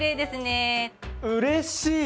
うれしい！